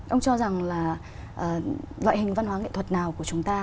ông cho rằng là loại hình văn hóa nghệ thuật nào của chúng ta